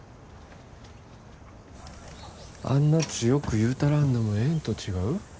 あんな強く言うたらんでもええんと違う？